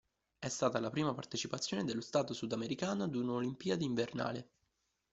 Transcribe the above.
È stata la prima partecipazione dello stato Sudamericano ad un olimpiade invernale.